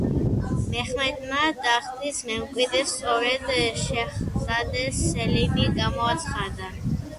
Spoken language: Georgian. მეჰმედმა ტახტის მემკვიდრედ სწორედ შეჰზადე სელიმი გამოაცხადა.